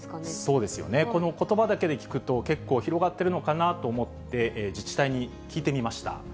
そうですよね、このことばだけで聞くと、結構、広がってるのかなと思って、自治体に聞いてみました。